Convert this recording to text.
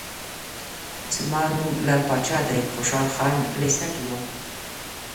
زما نوم لعل پاچا دی، خوشحال خان لېسه کې یم.